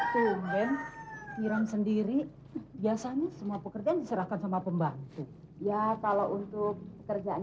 tumpen tiram sendiri biasanya semua pekerjaan diserahkan sama pembantu ya kalau untuk kerjaan